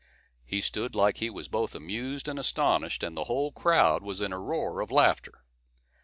He stood like he was both amused and astonished, and the whole crowd was in a roar of laughter.